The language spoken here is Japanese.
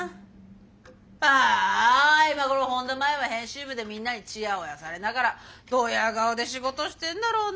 ああ今頃本田麻衣は編集部でみんなにチヤホヤされながらドヤ顔で仕事してんだろうな！